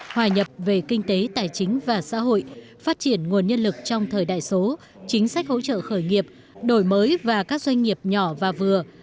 hòa nhập về kinh tế tài chính và xã hội phát triển nguồn nhân lực trong thời đại số chính sách hỗ trợ khởi nghiệp đổi mới và các doanh nghiệp nhỏ và vừa